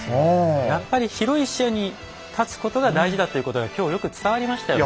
やっぱり広い視野に立つことが大事だということが今日よく伝わりましたよね。